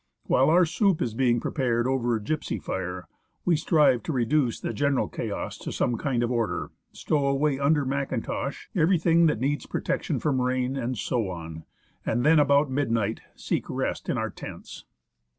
While our soup is being prepared over a gipsy fire, we strive to reduce the general chaos to some kind of order, stow away under mackintosh everything that needs protection from rain, and so on, and then about midnight seek rest in our tents.